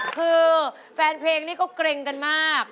คือแฟนเพลงนี่ก็เกร็งกันมาก